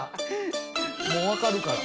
もう分かるから。